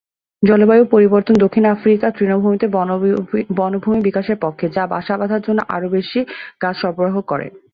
জলবায়ু পরিবর্তন দক্ষিণ আফ্রিকার তৃণভূমিতে বনভূমি বিকাশের পক্ষে, যা বাসা বাঁধার জন্য আরও বেশি গাছ সরবরাহ করে।